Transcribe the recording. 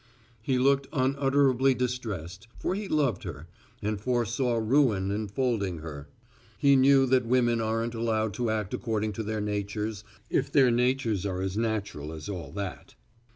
He looked unutterably distressed, for he loved her, and foresaw ruin enfolding her. He knew that women aren't allowed to act according to their natures, if their natures are as natural as all that.